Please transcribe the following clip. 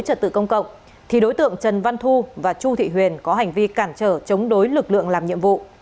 trật tự công cộng thì đối tượng trần văn thu và chu thị huyền có hành vi cản trở chống đối lực lượng làm nhiệm vụ